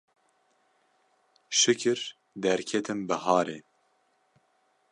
Şikir derketim biharê